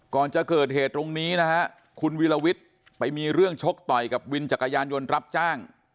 ก่อนจะเกิดเหตุตรงนี้นะฮะคุณวิลวิทย์ไปมีเรื่องชกต่อยกับวินจักรยานยนต์รับจ้าง